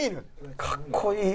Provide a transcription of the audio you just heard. かっこいい！